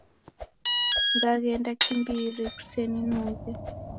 Ngaghenda kimbiri, kuseninughe.